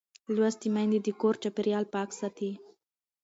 لوستې میندې د کور چاپېریال پاک ساتي.